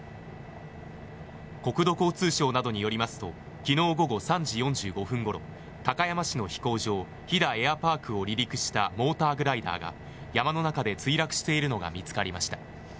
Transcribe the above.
国土交通省などによりますと昨日午後３時４５分ごろ高山市の飛行場飛騨エアパークを離陸したモーターグライダーが山の中で墜落しているのが見つかりました。